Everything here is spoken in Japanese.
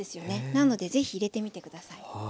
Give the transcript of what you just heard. なのでぜひ入れてみて下さい。